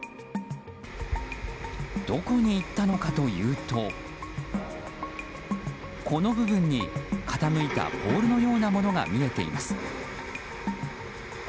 どこにいったのかというとこの部分に傾いたポールのようなものが見えています。